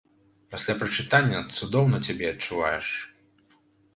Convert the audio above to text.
Пасля прачытання цудоўна цябе адчуваеш.